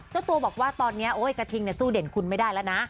เจ้าตัวบอกว่าตอนนี้โอ๊ยกระทิงสู้เด่นคุณไม่ได้แล้วนะ